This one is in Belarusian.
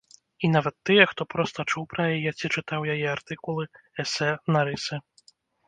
І нават тыя, хто проста чуў пра яе ці чытаў яе артыкулы, эсэ, нарысы.